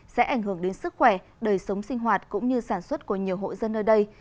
sẽ ảnh hưởng đến sức khỏe đời sống sinh hoạt cũng như sản xuất của nhiều hộ dân ở đây